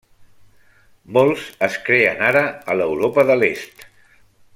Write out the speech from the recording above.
Molts es creen ara a l'Europa de l'Est.